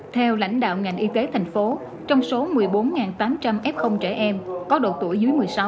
theo lãnh đạo ngành y tế thành phố trong số một mươi bốn tám trăm linh f trẻ em có độ tuổi dưới một mươi sáu